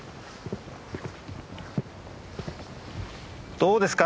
どうですか？